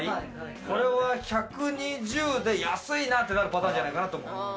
これは１２０で安いな！ってなるパターンじゃないかなと思う。